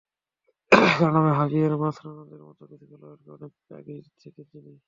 কারণ আমি হাভিয়ের মাচেরানোদের মতো কিছু খেলোয়াড়কে অনেক আগে থেকেই চিনি।